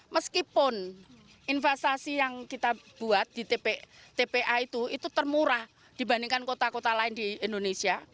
meskipun investasi yang kita buat di tpa itu itu termurah dibandingkan kota kota lain di indonesia